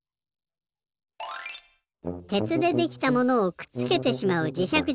鉄でできたものをくっつけてしまうじしゃく